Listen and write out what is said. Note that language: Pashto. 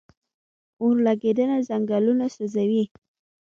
اورلګیدنه ځنګلونه سوځوي